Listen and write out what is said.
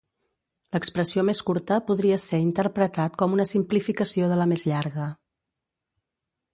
L'expressió més curta podria ser interpretat com una simplificació de la més llarga.